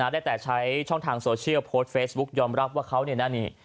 ได้แต่ใช้ช่องทางโซเชียลโพสต์เฟซบุ๊กยอมรับว่าเขาเนี่ยนะนี่